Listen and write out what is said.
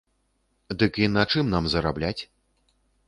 Дык і на чым нам зарабляць?